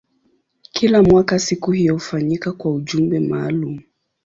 Kila mwaka siku hiyo hufanyika kwa ujumbe maalumu.